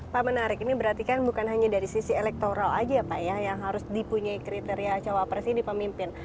pak menarik ini berarti kan bukan hanya dari sisi elektoral aja ya pak ya yang harus dipunyai kriteria cawapres ini pemimpin